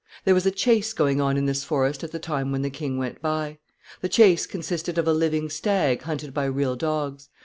There was a chase going on in this forest at the time when the king went by. The chase consisted of a living stag hunted by real dogs.